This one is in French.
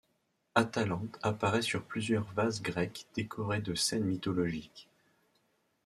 Atalante apparaît sur plusieurs vases grecs décorés de scènes mythologiques.